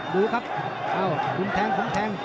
ดูครับอ้าวคุ้มแทงคุ้มแทง